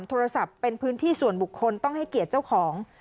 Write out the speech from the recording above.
โทรศัพท์เป็นพื้นที่ส่วนบุคคลต้องให้เกียรติเจ้าของ